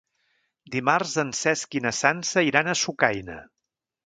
Dimarts en Cesc i na Sança iran a Sucaina.